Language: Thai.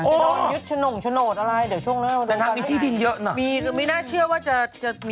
จะโดนยุทธ์ชนงชนดอะไรเดี๋ยวช่วงเริ่ม